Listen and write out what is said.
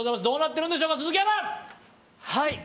どうなってるんでしょうか鈴木アナ！